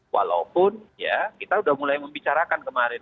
walaupun ya kita sudah mulai membicarakan kemarin